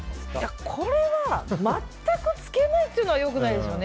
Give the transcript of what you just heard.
これは全くつけないというのは良くないですよね。